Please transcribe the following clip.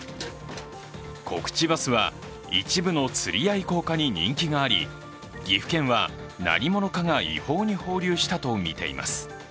コクチバスは、一部の釣り愛好家に人気があり岐阜県は何者かが違法に放流したとみています。